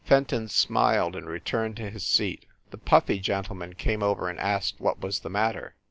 Fenton smiled and returned to his seat. The puffy gentleman came over and asked what was the matter.